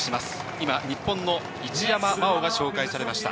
今、日本の一山麻緒が紹介されました。